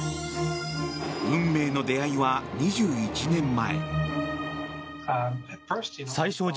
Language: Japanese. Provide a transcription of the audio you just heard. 運命の出会いは２１年前。